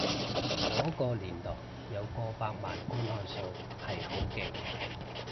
嗰個年代有過百萬觀看數係好勁